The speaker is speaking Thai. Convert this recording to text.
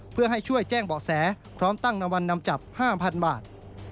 เพื่อให้ช่วยแจ้งเบาะแสพร้อมตั้งรางวัลนำจับ๕๐๐๐บาท